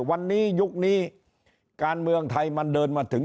วันนี้ยุคนี้การเมืองไทยมันเดินมาถึง